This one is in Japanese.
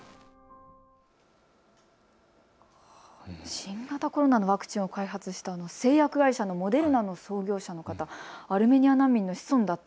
新型コロナのワクチンを開発した製薬会社のモデルナの創業者の方、アルメニア難民の子孫だった。